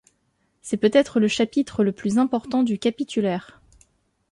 C’est peut-être le chapitre le plus important du capitulaire.